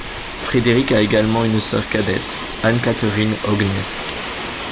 Frederik a également une sœur cadette, Anne-Catherine Haugness.